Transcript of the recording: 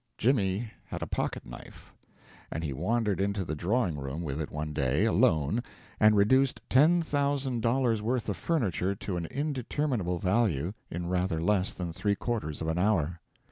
Jimmy had a pocket knife, and he wandered into the drawing room with it one day, alone, and reduced ten thousand dollars' worth of furniture to an indeterminable value in rather less than three quarters of an hour.